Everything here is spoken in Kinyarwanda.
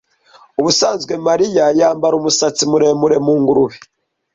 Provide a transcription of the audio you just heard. Ubusanzwe Mariya yambara umusatsi muremure mu ngurube.